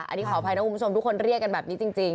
อันนี้ขออภัยนะคุณผู้ชมทุกคนเรียกกันแบบนี้จริง